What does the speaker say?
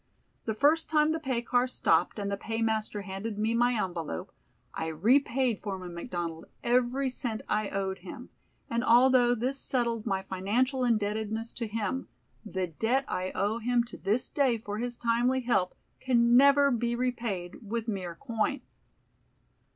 The first time the pay car stopped and the paymaster handed me my envelope I repaid Foreman McDonald every cent I owed him, and although this settled my financial indebtedness to him, the debt I owe him to this day for his timely help can never be repaid with mere coin.